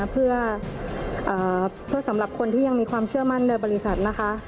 เพื่อสำหรับคนที่ยังมีความเชื่อมั่นในบริษัทนะคะ